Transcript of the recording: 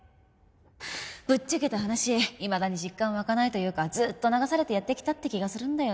ぶっちゃけた話いまだに実感湧かないというかずっと流されてやってきたって気がするんだよね。